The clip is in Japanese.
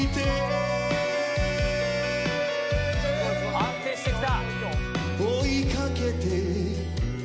安定して来た！